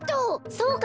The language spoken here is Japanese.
そうか！